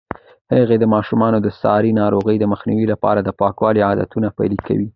هغې د ماشومانو د ساري ناروغیو د مخنیوي لپاره د پاکوالي عادتونه پلي کوي.